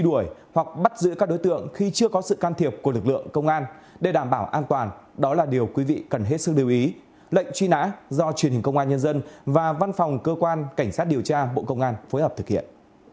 đất nước có sự can thiệp của lực lượng công an để đảm bảo an toàn đó là điều quý vị cần hết sức điều ý lệnh truy nã do truyền hình công an nhân dân và văn phòng cơ quan cảnh sát điều tra bộ công an phối hợp thực hiện